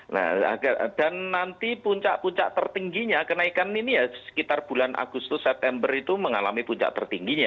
nah dan nanti puncak puncak tertingginya kenaikan ini ya sekitar bulan agustus september itu mengalami puncak tertingginya